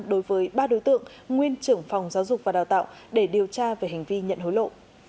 đối với ba đối tượng nguyên trưởng phòng giáo dục và đào tạo để điều tra về hành vi nhận hối lộ